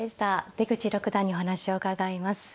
出口六段にお話を伺います。